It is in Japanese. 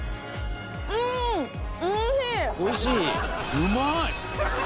うまい！